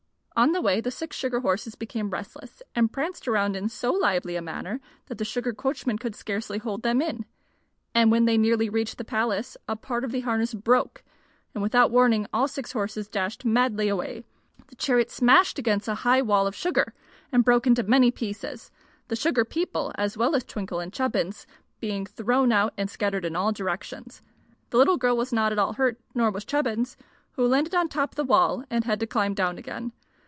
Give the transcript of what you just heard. On the way the six sugar horses became restless, and pranced around in so lively a manner that the sugar coachman could scarcely hold them in. And when they had nearly reached the palace a part of the harness broke, and without warning all six horses dashed madly away. The chariot smashed against a high wall of sugar and broke into many pieces, the sugar people, as well as Twinkle and Chubbins, being thrown out and scattered in all directions. The little girl was not at all hurt, nor was Chubbins, who landed on top the wall and had to climb down again.